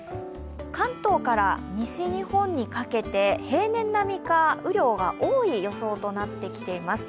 関東から西日本にかけて平年並みか雨量が多い予想となってきています。